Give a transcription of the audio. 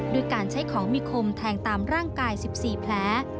ด้วยการใช้ของมีคมแทงตามร่างกาย๑๔แผล